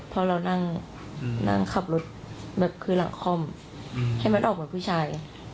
เพราะเรานั่งขับรถคือหลังคอมให้มันออกเหมือนผู้ชาย